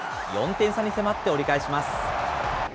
４点差に迫って折り返します。